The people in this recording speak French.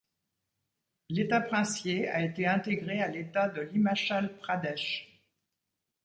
L'État princier a été intégré à l'État de l'Himachal Pradesh.